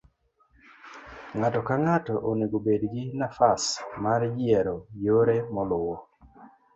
ng'ato ka ng'ato onego bed gi nafas mar yiero yore moluwo